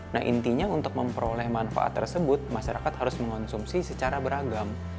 nah intinya untuk memperoleh manfaat tersebut masyarakat harus mengonsumsi secara beragam